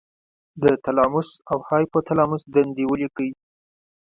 د تلاموس او هایپو تلاموس دندې ولیکئ.